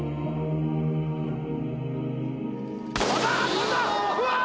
飛んだ！うわ！